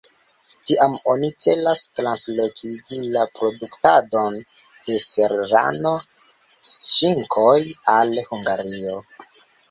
Tiam oni celas translokigi la produktadon de serrano-ŝinkoj al Hungario.